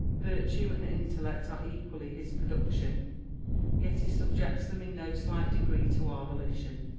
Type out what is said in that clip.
Virtue and intellect are equally his production , yet he subjects them in no slight degree to our volition.